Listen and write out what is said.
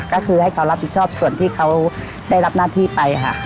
ก็คือให้เขารับผิดชอบส่วนที่เขาได้รับหน้าที่ไปค่ะ